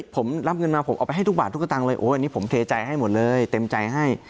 ผมรับเงินมาผมเอาไปให้ทุกบาททุกสตางคเลยโอ้อันนี้ผมเทใจให้หมดเลยเต็มใจให้